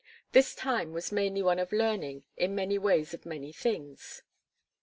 This time was mainly one of learning in many ways of many things.